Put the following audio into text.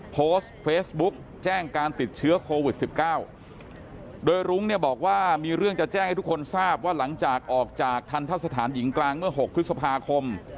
โพสต์เฟซบุ๊กแจ้งการติดเชื้อโควิด๑๙โดยรุ้งเนี่ยบอกว่ามีเรื่องจะแจ้งให้ทุกคนทราบว่าหลังจากออกจากทันทะสถานหญิงกลางเมื่อ๖พฤษภาคม